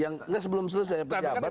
yang enggak sebelum selesai pejabat